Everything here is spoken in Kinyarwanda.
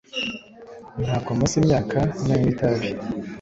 Ntabwo maze imyaka nanywa itabi